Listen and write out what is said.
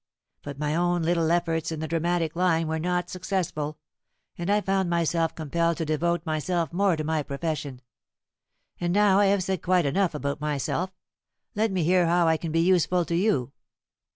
But my own little efforts in the dramatic line were not successful, and I found myself compelled to devote myself more to my profession. And now I have said quite enough about myself; let me hear how I can be useful to you."